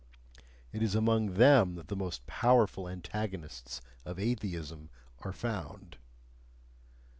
It is among them that the most powerful antagonists of atheism are found.